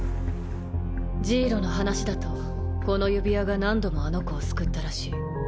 ジイロの話だとこの指輪が何度もあの子を救ったらしい。